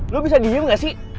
lo bisa diem gak sih